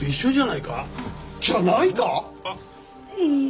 いいえ